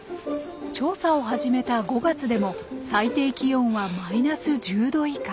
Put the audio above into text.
調査を始めた５月でも最低気温はマイナス１０度以下。